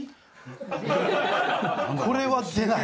これは出ない！